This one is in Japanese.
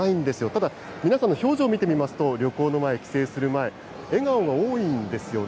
ただ、皆さんの表情見てみますと、旅行の前、帰省する前、笑顔が多いんですよね。